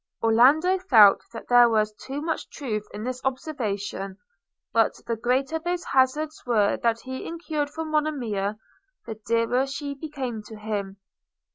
Orlando felt that there was too much truth in this observation; but the greater those hazards were that he incurred for Monimia, the dearer she became to him.